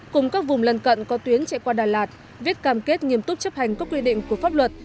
cùng các vùng lân cận có tuyến chạy qua đà lạt viết cam kết nghiêm túc chấp hành các quy định của pháp luật